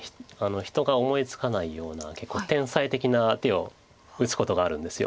人が思いつかないような結構天才的な手を打つことがあるんです。